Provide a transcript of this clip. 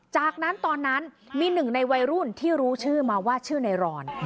จากนั้นตอนนั้นมีหนึ่งในวัยรุ่นที่รู้ชื่อมาว่าชื่อในรอน